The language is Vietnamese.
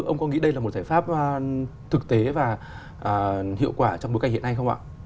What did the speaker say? ông có nghĩ đây là một giải pháp thực tế và hiệu quả trong bối cảnh hiện nay không ạ